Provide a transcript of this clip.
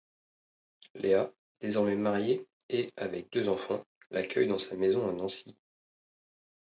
Léa, désormais mariée et avec deux enfants, l'accueille dans sa maison à Nancy.